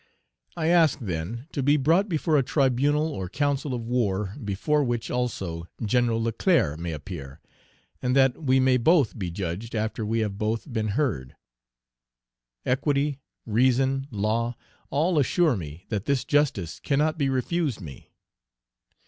I ask, then, to be brought before a tribunal or council of war, before which, also, Gen. Leclerc may appear, and that we may both be judged after we have both been heard; equity, reason, law, all assure me that this justice cannot be refused me.